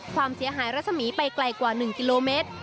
ความเสียหายรัศมีร์ไปไกลกว่า๑กิโลเมตร